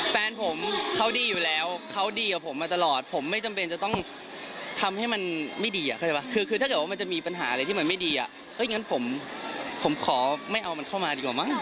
แฟนผมเขาดีอยู่แล้วเขาดีกว่าผมมาตลอดผมไม่จำเป็นจะต้องทำให้มันไม่ดีเข้าใจป่ะคือถ้าเกิดว่ามันจะมีปัญหาอะไรที่มันไม่ดีอ่ะเฮ้ยงั้นผมขอไม่เอามันเข้ามาดีกว่ามั้ง